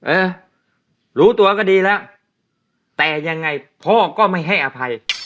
เออรู้ตัวก็ดีแล้วแต่ยังไงพ่อก็ไม่ให้อภัย